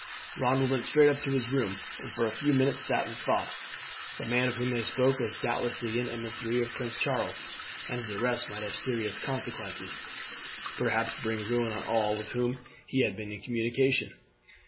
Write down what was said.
Ronald went straight up to his room, and for a few minutes sat in thought. The man of whom they spoke was doubtless an emissary of Prince Charles, and his arrest might have serious consequences, perhaps bring ruin on all with whom he had been in communication.